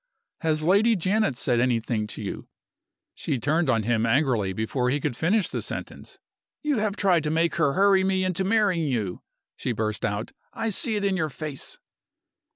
"Has Lady Janet said anything to you " She turned on him angrily before he could finish the sentence. "You have tried to make her hurry me into marrying you," she burst out. "I see it in your face!"